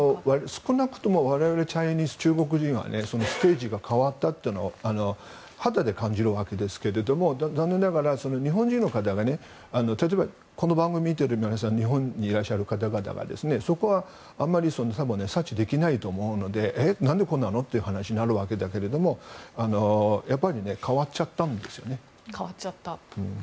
少なくとも我々、チャイニーズ、中国人はステージが変わったというのは肌で感じるわけですけど残念ながら日本人の方が例えば、この番組を見ている日本にいらっしゃる方々があまりサーチできないと思うので何でこうなのという話になるんだけどもやっぱり変わっちゃったんですよ。